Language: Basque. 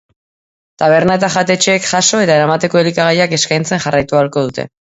Taberna eta jatetxeek jaso eta eramateko elikagaiak eskaintzen jarraitu ahalko dute.